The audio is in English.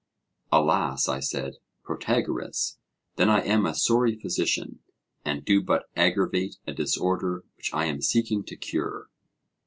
Alas! I said, Protagoras; then I am a sorry physician, and do but aggravate a disorder which I am seeking to cure.